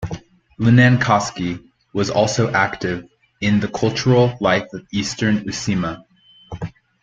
Linnankoski was also active in the cultural life of Eastern Uusimaa.